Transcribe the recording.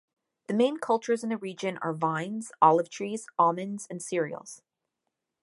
The main cultures in the region are vines, olive trees, almonds and cereals.